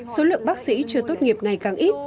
số lượng bác sĩ chưa tốt nghiệp ngày càng ít